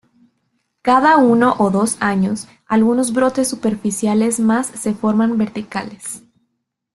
Cada uno o dos años, algunos brotes superficiales más se forman verticales.